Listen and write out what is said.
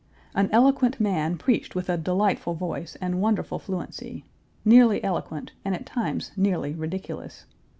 An eloquent man preached with a delightful voice and wonderful fluency; nearly eloquent, and at times nearly ridiculous.